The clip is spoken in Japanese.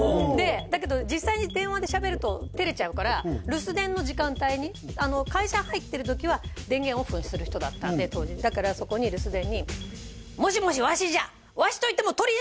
だけど実際に電話でしゃべると照れちゃうから留守電の時間帯に会社に入ってる時は電源オフにする人だったんで当時だからそこに留守電にえっ？